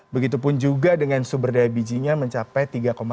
begitupun juga dengan sumber daya bijinya mencapai tiga delapan